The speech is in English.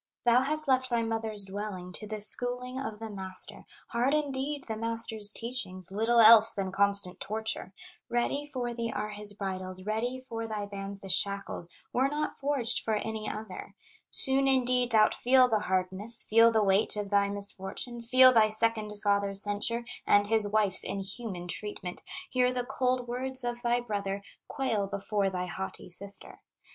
Thou hast left thy mother's dwelling, To the schooling of the master; Hard indeed the master's teachings, Little else than constant torture; Ready for thee are his bridles, Ready for thy hands the shackles, Were not forged for any other; Soon, indeed, thou'lt feel the hardness, Feel the weight of thy misfortune, Feel thy second father's censure, And his wife's inhuman treatment, Hear the cold words of thy brother, Quail before thy haughty sister.